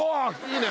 いいね！